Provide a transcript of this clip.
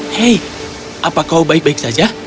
hei apa kau baik baik saja